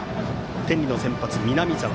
天理の先発は南澤。